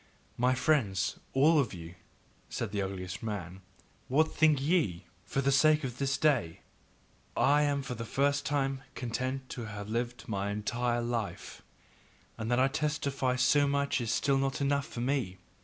"My friends, all of you," said the ugliest man, "what think ye? For the sake of this day I am for the first time content to have lived mine entire life. And that I testify so much is still not enough for me.